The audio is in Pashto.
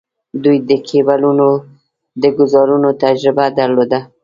دوی د کیبلونو د ګوزارونو تجربه درلوده.